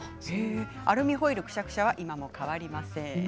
アルミホイルくしゃくしゃは今も変わりません。